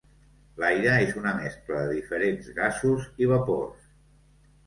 L'aire és una mescla de diferents gasos i vapors.